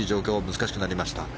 難しくなりました。